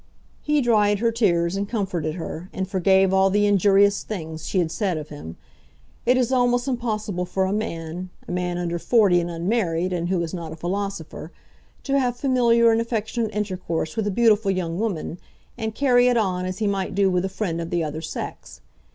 He dried her tears and comforted her, and forgave all the injurious things she had said of him. It is almost impossible for a man, a man under forty and unmarried, and who is not a philosopher, to have familiar and affectionate intercourse with a beautiful young woman, and carry it on as he might do with a friend of the other sex.